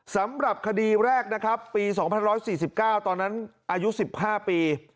สำหรับคดีแรกนะครับปี๒๑๔๙ตอนนั้นอายุ๑๕ปี